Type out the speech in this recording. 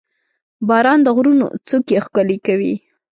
• باران د غرونو څوکې ښکلې کوي.